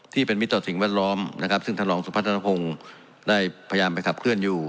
ที่เป็นมิตรต่อสิ่งแวดล้อมนะครับซึ่งท่านรองสุพัฒนภงได้พยายามไปขับเคลื่อนอยู่